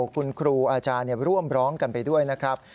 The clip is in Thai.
คุณครูอาจารย์ร่วมร้องกันไปด้วยนะครับ